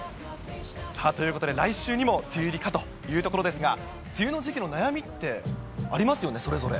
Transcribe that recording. ということで、来週にも梅雨入りかというところですが、梅雨の時期の悩みってありますよね、それぞれ。